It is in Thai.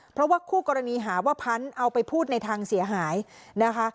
เพราะว่าคู่กรณีหาว่าพันธุ์เอาไปพูดในทางเสียหายนะคะ